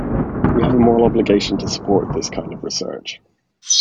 We have a moral obligation to support this kind of research.